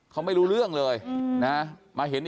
เขาไม่รู้เรื่องเลยนะ